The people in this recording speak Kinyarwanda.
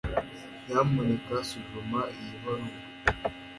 Nyamuneka suzuma iyi baruwa